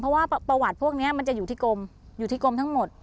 เพราะว่าประวัติพวกนี้มันจะอยู่ที่กรมอยู่ที่กรมทั้งหมด